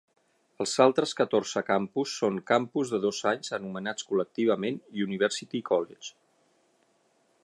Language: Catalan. Els altres catorze campus són campus de dos anys anomenats col·lectivament "University College".